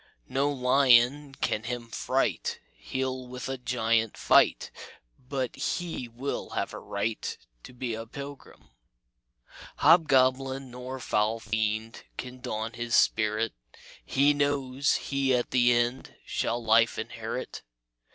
No lion can him fright; He'll with a giant fight, But he will have a right To be a pilgrim. "Hobgoblin nor foul fiend Can daunt his spirit; He knows he at the end Shall life inherit.